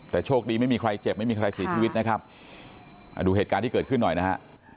แต่โชคดีไม่มีใครเจ็บไม่มีใครเสียชีวิตนะครับดูเหตุการณ์ที่เกิดขึ้นหน่อยนะฮะ